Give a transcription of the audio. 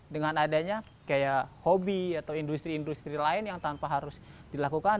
dengan adanya kayak hobi atau industri industri lain yang tanpa harus dilakukan